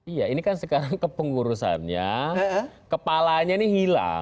iya ini kan sekarang kepengurusannya kepalanya ini hilang